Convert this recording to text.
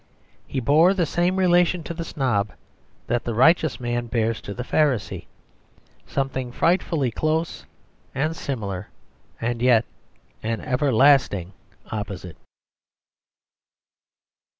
He bore the same relation to the snob that the righteous man bears to the Pharisee: something frightfully close and similar and yet an everlasting opposite.